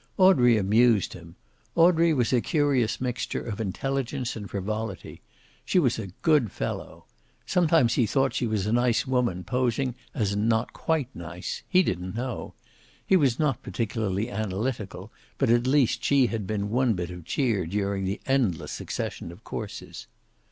Audrey amused him. Audrey was a curious mixture of intelligence and frivolity. She was a good fellow. Sometimes he thought she was a nice woman posing as not quite nice. He didn't know. He was not particularly analytical, but at least she had been one bit of cheer during the endless succession of courses.